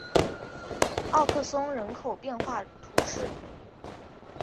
奥克松人口变化图示